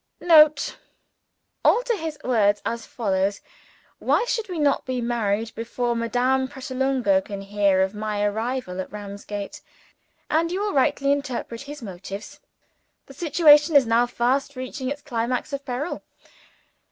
[Note. Alter his words as follows: "Why should we not be married before Madame Pratolungo can hear of my arrival at Ramsgate?" and you will rightly interpret his motives. The situation is now fast reaching its climax of peril.